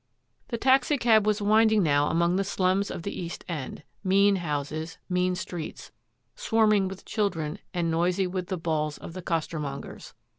The taxicab was winding now among the slums of the East End — mean houses, mean streets, swarming with children and noisy with the bawls of the costermongers.